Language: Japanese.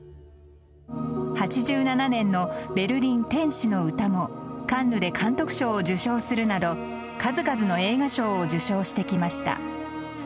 ８７年の「ベルリン・天使の詩」もカンヌで監督賞を受賞するなど数々の映画賞を受賞してきました。